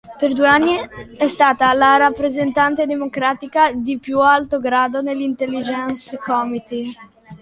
Per due anni è stata la rappresentante democratica di più alto grado nell'Intelligence Committee.